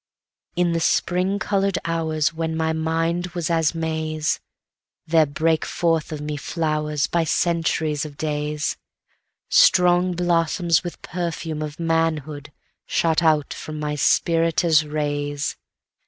In the spring color'd hoursWhen my mind was as May's, There brake forth of me flowersBy centuries of days, Strong blossoms with perfume of man hood, shot out from my spirit as rays.